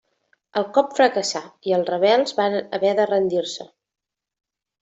El cop fracassà i els rebels varen haver de rendir-se.